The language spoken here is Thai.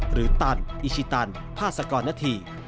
หรือตันอิชิตันพาสกรนาธี